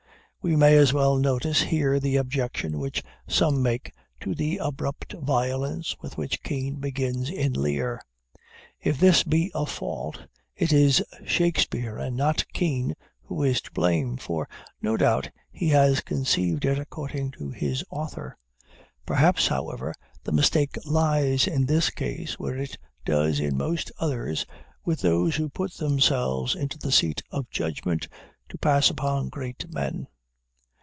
We may as well notice here the objection which some make to the abrupt violence with which Kean begins in Lear. If this be a fault, it is Shakspeare, and not Kean, who is to blame; for, no doubt, he has conceived it according to his author. Perhaps, however, the mistake lies in this case, where it does in most others, with those who put themselves into the seat of judgment to pass upon great men.